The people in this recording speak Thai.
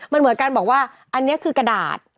มันเหมือนกันบอกว่าอันนี้คือกระดาษ